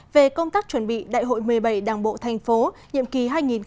về công tác chuẩn bị đại hội một mươi bảy đảng bộ thành phố nhiệm kỳ hai nghìn hai mươi hai nghìn hai mươi năm